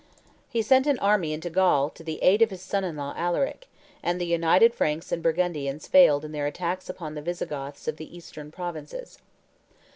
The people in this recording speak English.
He sent an army into Gaul to the aid of his son in law Alaric; and the united Franks and Burgundians failed in their attacks upon the Visigoths of the Eastern Provinces.